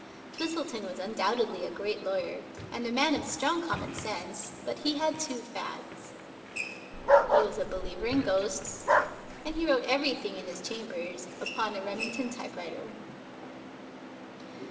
Twistleton was undoubtedly a great lawyer, and a man of strong common sense, but he had two fads. He was a believer in ghosts, and he wrote everything in his cham bers upon a Remington typewriter.